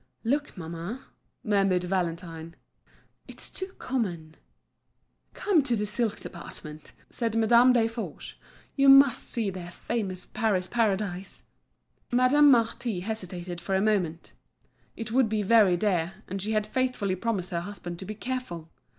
"Look, mamma," murmured Valentine, "it's too common." "Come to the silk department," said Madame Desforges, "you must see their famous Paris Paradise." Madame Marty hesitated for a moment. It would be very dear, and she had faithfully promised her husband to be careful!